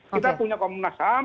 kita punya komnasam